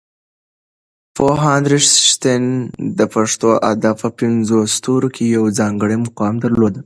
پوهاند رښتین د پښتو ادب په پنځو ستورو کې یو ځانګړی مقام درلود.